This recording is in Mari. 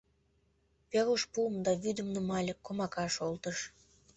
Веруш пуым да вӱдым нумале, комакаш олтыш.